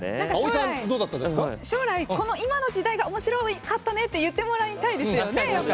今の時代がおもしろかったって言ってもらいたいですよね。